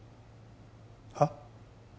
はっ？